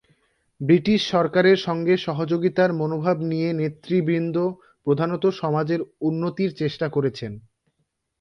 British সরকারের সঙ্গে সহযোগিতার মনোভাব নিয়ে নেতৃবৃন্দ প্রধানত সমাজের উন্নতির চেষ্টা করেছেন।